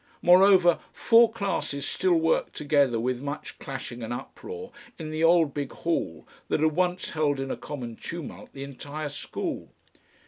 Moreover, four classes still worked together with much clashing and uproar in the old Big Hall that had once held in a common tumult the entire school.